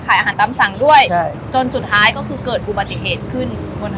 อาหารตามสั่งด้วยจนสุดท้ายก็คือเกิดอุบัติเหตุขึ้นบน